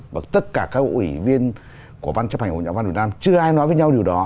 và tất cả các ủy viên của ban chấp hành của nhà văn việt nam chưa ai nói với nhau điều đó